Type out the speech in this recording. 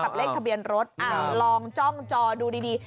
เลขทะเบียนรถลองจ้องจอดูดี